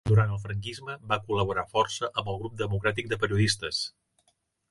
Durant el franquisme va col·laborar força amb el Grup Democràtic de Periodistes.